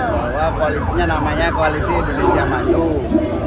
bahwa koalisinya namanya koalisi indonesia maju